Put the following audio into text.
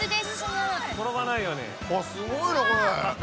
すごいなこれ！